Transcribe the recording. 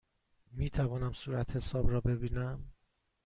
می توانم صورتحساب را ببینم؟